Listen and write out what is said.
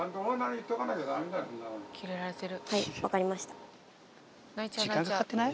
キレられてる。